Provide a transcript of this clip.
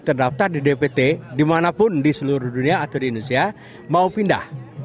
terdaftar di dpt dimanapun di seluruh dunia atau di indonesia mau pindah